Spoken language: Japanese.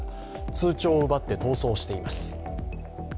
通帳を奪って逃走しています。